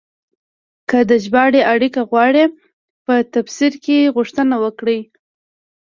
که د ژباړې اړیکه غواړئ، په تبصره کې غوښتنه وکړئ.